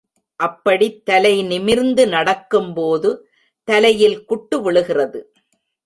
அப்படித் தலைநிமிர்ந்து நடக்கும்போது தலையில் குட்டு விழுகிறது.